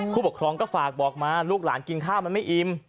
ผู้ปกครองก็ฝากบอกมาลูกหลานกินข้าวมันไม่อิ่ม